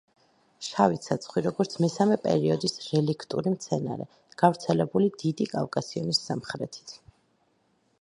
შავი ცაცხვი, როგორც მესამე პერიოდის რელიქტური მცენარე, გავრცელებული დიდი კავკასიონის სამხრეთით.